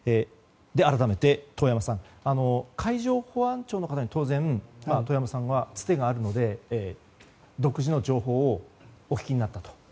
改めて、遠山さんは海上保安庁のほうにつてがあるので、独自の情報をお聞きになったと。